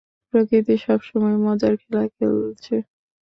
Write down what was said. প্রকৃতি সবসময়ই মজার খেলা খেলছে।